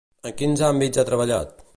En quins àmbits ha treballat?